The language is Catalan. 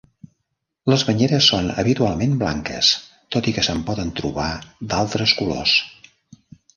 Les banyeres són habitualment blanques, tot i que se'n poden trobar d'altres colors.